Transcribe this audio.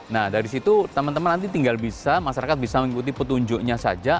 nah dari situ teman teman nanti tinggal bisa masyarakat bisa mengikuti petunjuknya saja